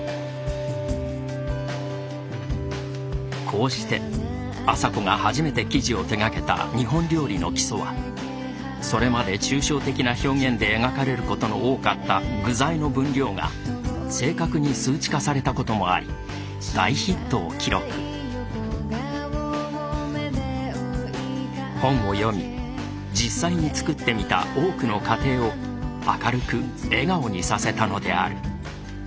こうして朝子が初めて記事を手がけた「日本料理の基礎」はそれまで抽象的な表現で描かれることが多かった具材の分量が正確に数値化されたこともあり大ヒットを記録本を読み実際に作ってみた多くの家庭を明るく笑顔にさせたのである。